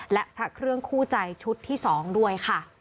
และพระเครื่องคู่ใจชุดที่๒ด้วยค่ะ